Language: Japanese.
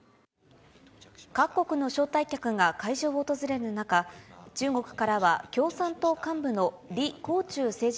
各国の招待客が会場を訪れる中、中国からは共産党幹部の李鴻忠政治